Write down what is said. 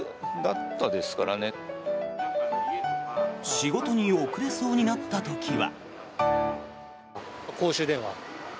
仕事に遅れそうになった時は。